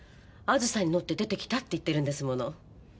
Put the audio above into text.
あずさに乗って出てきたって言ってるんですもの。